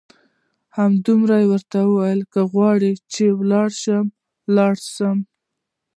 همدومره مې درته وویل، که غواړې چې ولاړ شې ولاړ شه.